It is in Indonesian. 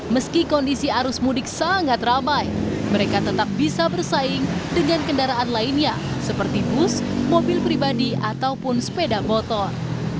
meski kondisi arus mudik sangat ramai mereka tetap bisa bersaing dengan kendaraan lainnya seperti bus mobil pribadi ataupun sepeda motor